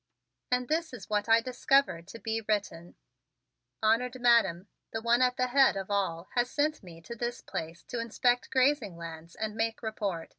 And this is what I discovered to be written: "Honored Madam: "The one at the head of all has sent me to this place to inspect grazing lands and make report.